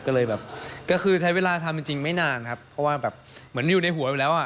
ก็เลยแบบก็คือใช้เวลาทำจริงไม่นานครับเพราะว่าแบบเหมือนอยู่ในหัวอยู่แล้วอ่ะ